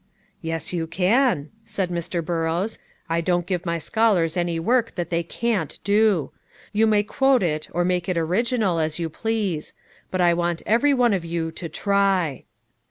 "Yes, you can," said Mr. Burrows; "I don't give my scholars any work that they can't do. You may quote it, or make it original, as you please; but I want every one of you to try."